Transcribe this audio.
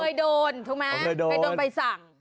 เคยโดนถูกไหมเคยโดนใบสั่ง